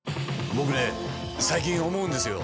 僕ね最近思うんですよ。